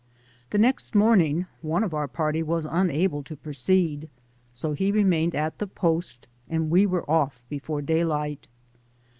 The next morning one of the party was unable to pro ceed, so he remained at the post, and we were off before daylight.